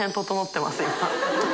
今。